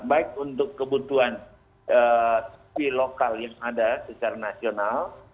baik untuk kebutuhan sipil lokal yang ada secara nasional